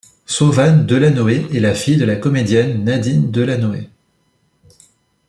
Sauvane Delanoë est la fille de la comédienne Nadine Delanoë.